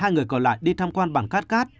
một mươi hai người còn lại đi tham quan bản khát khát